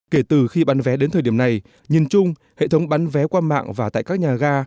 kể từ khi bán vé đến thời điểm này nhìn chung hệ thống bán vé qua mạng và tại các nhà ga